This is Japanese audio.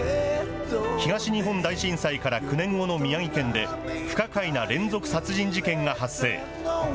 東日本大震災から９年後の宮城県で、不可解な連続殺人事件が発生。